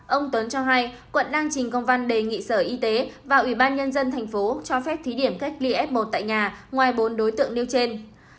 ông tuấn cho hay quận đang trình công văn đề nghị sở y tế và ủy ban nhân dân thành phố cho phép thí điểm cách ly f một tại nhà ngoài bốn đối tượng nêu trên